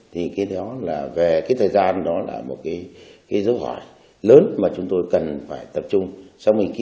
thế đó là về cái thời gian đó là một cái dấu hỏi lớn mà chúng tôi cần phải tập trung xong mình ký